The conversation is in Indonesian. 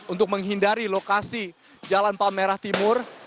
untuk menghindari lokasi jalan palmerah timur